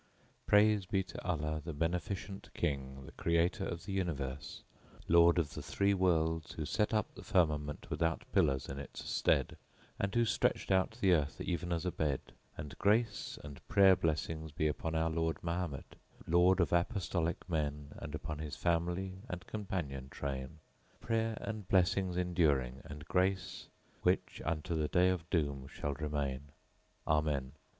PRAISE BE TO ALLAH * THE BENEFICENT KING * THE CREATOR OF THE UNIVERSE * LORD OF THE THREE WORLDS * WHO SET UP THE FIRMAMENT WITHOUT PILLARS IN ITS STEAD * AND WHO STRETCHED OUT THE EARTH EVEN AS A BED * AND GRACE, AND PRAYER BLESSING BE UPON OUR LORD MOHAMMED * LORD OF APOSTOLIC MEN * AND UPON HIS FAMILY AND COMPANION TRAIN * PRAYER AND BLESSINGS ENDURING AND GRACE WHICH UNTO THE DAY OF DOOM SHALL REMAIN * AMEN!